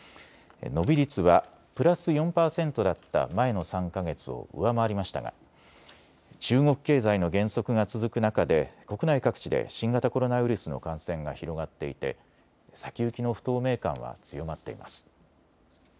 伸び率はプラス４％だった前の３か月を上回りましたが中国経済の減速が続く中で国内各地で新型コロナウイルスの感染が広がっていて先行きの不透明感は強まっています。